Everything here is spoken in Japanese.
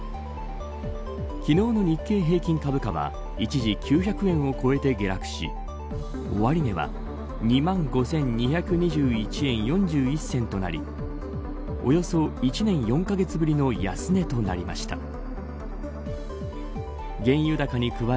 昨日の日経平均株価は一時９００円を超えて下落し終値は２万５２２１円４１銭となりおよそ１年４カ月ぶりの安値となりました。